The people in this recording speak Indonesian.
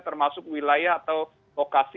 termasuk wilayah atau lokasi